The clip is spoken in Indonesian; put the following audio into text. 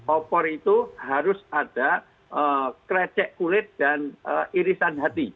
opor itu harus ada krecek kulit dan irisan hati